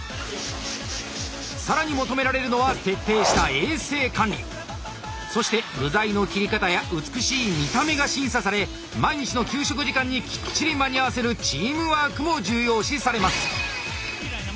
更に求められるのは徹底したそして具材の切り方や美しい見た目が審査され毎日の給食時間にきっちり間に合わせるチームワークも重要視されます。